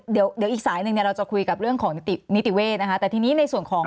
เดี๋ยวเดี๋ยวอีกสายหนึ่งเนี่ยเราจะคุยกับเรื่องของนิตินิติเวศนะคะแต่ทีนี้ในส่วนของ